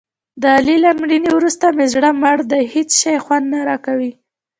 د علي له مړینې ورسته مې زړه مړ دی. هېڅ شی خوند نه راکوي.